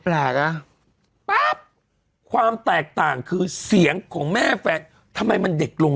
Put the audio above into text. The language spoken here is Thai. ปั๊บความแตกต่างคือเสียงของแม่แฟนทำไมมันเด็กลง